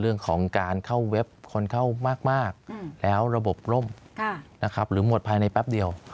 เรื่องของการเข้าเว็บคนเข้ามากแล้วระบบล่มนะครับหรือหมดภายในแป๊บเดียว